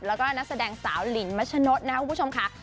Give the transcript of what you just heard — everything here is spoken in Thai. แล้วก็นัดแสดงสาวลินมัชโนซนะครับ